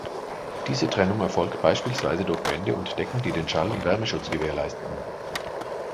Diese Trennung erfolgt beispielsweise durch Wände und Decken, die den Schall- und Wärmeschutz gewährleisten.